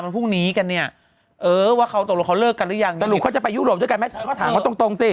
เป็นต้มลูกโยน